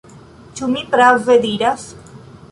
Ĉu mi prave diras?